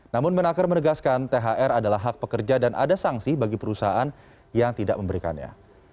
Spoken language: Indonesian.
namun menaker menegaskan thr adalah hak pekerja dan ada sanksi bagi perusahaan yang tidak memberikannya